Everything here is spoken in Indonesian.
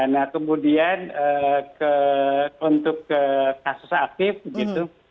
nah kemudian untuk kasus aktif begitu